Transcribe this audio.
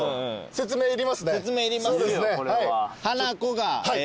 説明いりますよ。